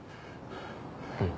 うん。